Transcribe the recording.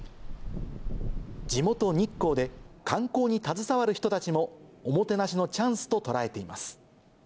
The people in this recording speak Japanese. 地元、日光で観光に携わる人たちも、おもてなしのチャンスと捉えています。